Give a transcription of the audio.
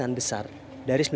sembilan ini bisa jadi besar